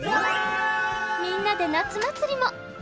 みんなで夏祭りも！